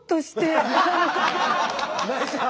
泣いちゃう！